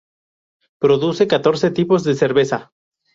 Produce catorce tipos de cerveza.